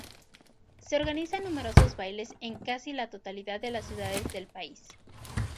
Se organizan numerosos bailes en casi la totalidad de las ciudades del país.